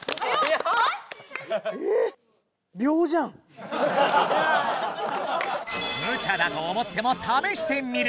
えぇ⁉むちゃだと思っても試してみる！